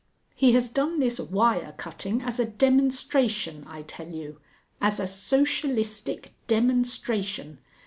"He has done this wire cutting as a demonstration, I tell you, as a Socialistic demonstration.